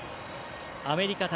アメリカ対